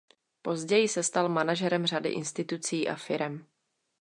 Později se stal manažerem řady institucí a firem.